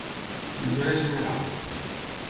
Millora General.